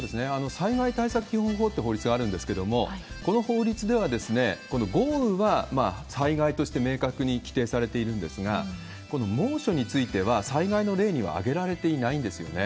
災害対策基本法っていう法律があるんですけども、この法律では、豪雨は災害として明確に規定されているんですが、この猛暑については、災害の例には挙げられていないんですよね。